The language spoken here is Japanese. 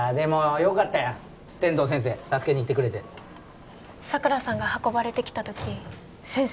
よかったやん天堂先生助けにきてくれて佐倉さんが運ばれてきたとき先生